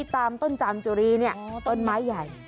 ตามต้นจานจูรีเนี่ยต้นไม้ใหญ่